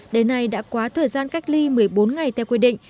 đến nay đã quá thời gian cách ly một mươi bốn ngày theo quy định